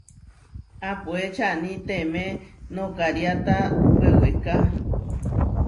Apoé čani teme nokariáta weweká.